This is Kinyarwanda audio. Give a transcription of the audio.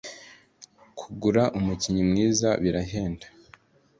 kugura umukinnyi mwiza birahenda